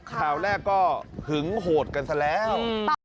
ข่าวแรกก็หึงโหดกันซะแล้ว